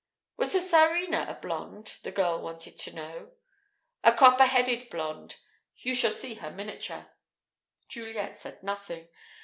"Was the Tsarina a blonde?" the girl wanted to know. "A copper headed blonde. You shall see her miniature." Juliet said nothing.